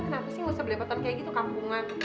kenapa sih ngusah belepotan kayak gitu kampungan